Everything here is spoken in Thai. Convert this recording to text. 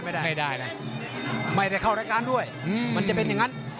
ไม่ได้เข้ารายการด้วยมันจะเป็นอย่างนั้น